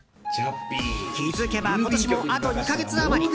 気づけば今年もあと２か月余り。